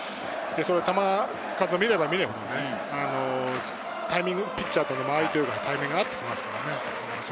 球数を見れば見るほど、タイミング、ピッチャーとの間合い、タイミングが合ってきますからね。